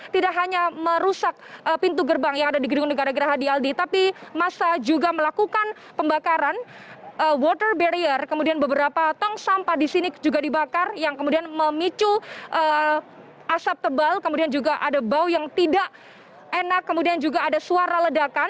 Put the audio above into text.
tidak hanya merusak pintu gerbang yang ada di gedung negara gerahadi aldi tapi masa juga melakukan pembakaran water barrier kemudian beberapa tong sampah di sini juga dibakar yang kemudian memicu asap tebal kemudian juga ada bau yang tidak enak kemudian juga ada suara ledakan